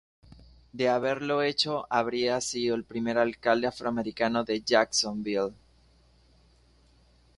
De haberlo hecho habría sido el primer alcalde afroamericano de Jacksonville.